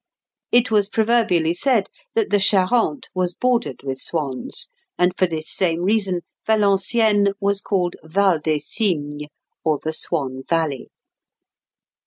It was proverbially said that the Charente was bordered with swans, and for this same reason Valenciennes was called Val des Cygnes, or the Swan Valley.